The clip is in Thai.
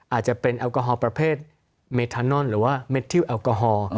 อาจจะเป็นแอลกอฮอลประเภทเมธานอนหรือว่าเมทิวแอลกอฮอล์